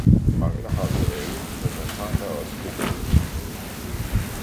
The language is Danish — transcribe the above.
mangler har vi alle, men man har da også begavelse.